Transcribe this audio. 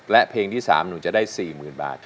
และเพลงที่๓หนูจะได้๔๐๐๐บาท